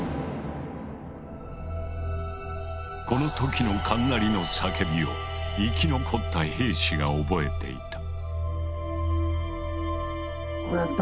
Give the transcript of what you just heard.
この時の神成の叫びを生き残った兵士が覚えていた。